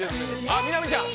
あっ、南ちゃん。